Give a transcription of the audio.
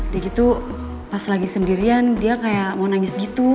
dia gitu pas lagi sendirian dia kayak mau nangis gitu